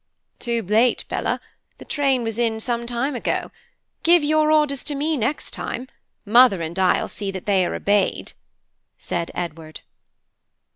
"Too late, Bella, the train was in some time ago. Give your orders to me next time. Mother and I'll see that they are obeyed," said Edward.